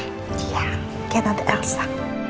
iya kayak tante elsa